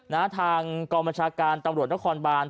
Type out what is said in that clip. ทางกองบัญชาการตำรวจนครบาน